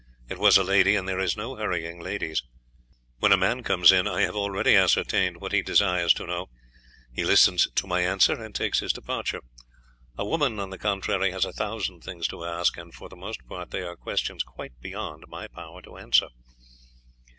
It was a lady, and there is no hurrying ladies. When a man comes in, I have already ascertained what he desires to know; he listens to my answer and takes his departure. A woman, on the contrary, has a thousand things to ask, and for the most part they are questions quite beyond my power to answer."